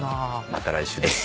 また来週です。